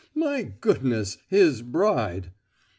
My goodness! his bride!